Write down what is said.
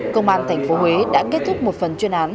công an tp huế đã kết thúc một phần chuyên án